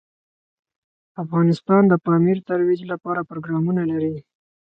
افغانستان د پامیر د ترویج لپاره پروګرامونه لري.